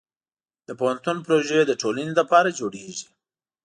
د پوهنتون پروژې د ټولنې لپاره جوړېږي.